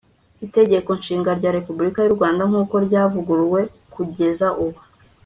itegeko nshinga rya republika y'u rwanda nkuko ryavuguruwe kugeza ubu